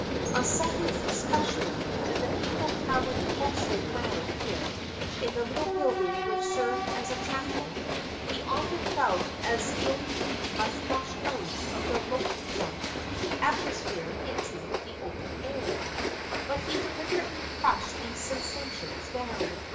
On Sundays especially, when the people crowded closely round him in the little building which served as a chapel, he often felt as if he must rush out of the loathsome 530 FATHER DAMIEN atmosphere into the open air. But he deliberately crushed these sensations down.